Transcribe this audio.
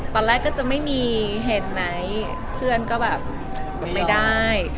ตอนแรกก็จะไม่มีเหตุไหนเพื่อนก็แบบไม่ได้